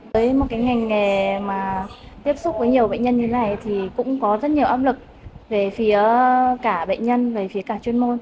với một cái ngành nghề mà tiếp xúc với nhiều bệnh nhân như thế này thì cũng có rất nhiều áp lực về phía cả bệnh nhân về phía cả chuyên môn